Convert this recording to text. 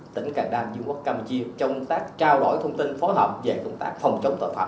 tỉnh cà đam dương quốc campuchia trong tác trao đổi thông tin phối hợp về công tác phòng chống tội phạm